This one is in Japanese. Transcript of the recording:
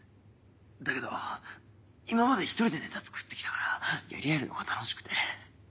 だけど今まで１人でネタ作ってきたからやり合えるのが楽しくて。